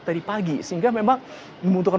dari pagi sehingga memang membutuhkan